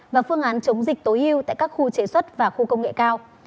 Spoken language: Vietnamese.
và phương án chống dịch tối ưu tại các khu chế xuất và khu công nghệ cao